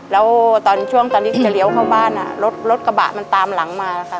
แล้วตอนส่วนตอนิดจรีวเข้าบ้านรถกระบะมันตามหลังมาล่ะค่ะ